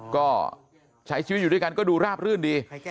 ก็ใช้ชีวิตอยู่ด้วยกันก็ดูราบรื่นดี